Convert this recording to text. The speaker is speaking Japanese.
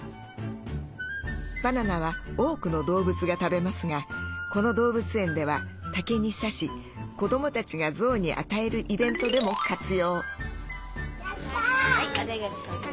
バナナは多くの動物が食べますがこの動物園では竹に刺し子どもたちがゾウに与えるイベントでも活用。